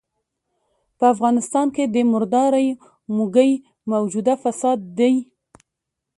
په افغانستان کې د مردارۍ موږی موجوده فساد دی.